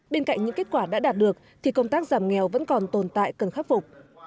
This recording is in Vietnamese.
bên cạnh những kết quả đã đạt được thì công tác giảm nghèo vẫn còn tồn tại cần khắc phục